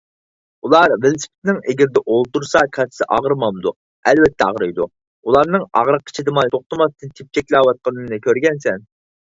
_ ئۇلار ۋېلىسىپىتنىڭ ئېگىرىدە ئولتۇرسا كاسسىسى ئاغرىمامدۇ؟ _ ئەلۋەتتە ئاغرىيدۇ، ئۇلارنىڭ ئاغرىققا چىدىيالماي توختىماستىن تېپىچەكلەۋاتقانلىقىنى كۆرگەنىسەن.